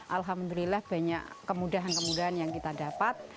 alhamdulillah banyak kemudahan kemudahan yang kita dapat